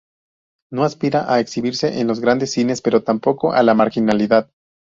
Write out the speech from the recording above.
No aspira a exhibirse en los grandes cines, pero tampoco a la marginalidad.